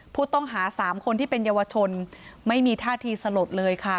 ผู้ต้องหา๓คนที่เป็นเยาวชนไม่มีท่าทีสลดเลยค่ะ